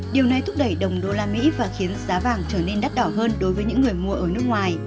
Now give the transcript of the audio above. điều này thúc đẩy đồng usd và khiến giá vàng trở nên đắt đỏ hơn đối với những người mua ở nước ngoài